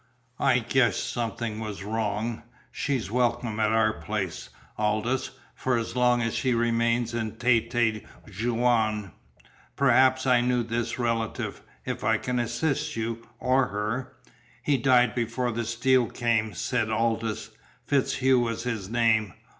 "I guessed something was wrong. She's welcome at our place, Aldous for as long as she remains in Tête Jaune. Perhaps I knew this relative. If I can assist you or her " "He died before the steel came," said Aldous. "FitzHugh was his name.